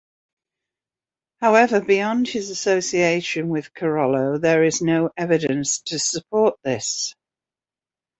However beyond his association with Carollo there is no evidence to support this.